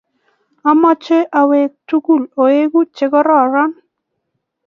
amoche okwek tugul oeku che kororon.